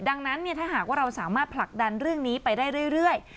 ดังนั้นถ้าหากว่าเราสามารถผลักดันเรื่องนี้ไปได้เรื่อย